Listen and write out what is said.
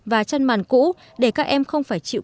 và chăn màn cũ để các em không phải chịu